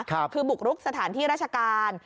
คือบุกรุกสถานที่ราชการ